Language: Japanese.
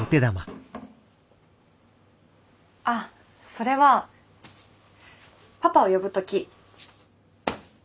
あっそれはパパを呼ぶ時こうやって。